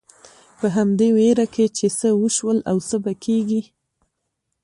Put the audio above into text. په همدې وېره کې چې څه وشول او څه به کېږي.